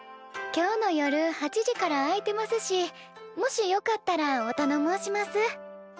今日の夜８時から空いてますしもしよかったらおたのもうします。